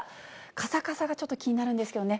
かさかさがちょっと気になるんですけどね。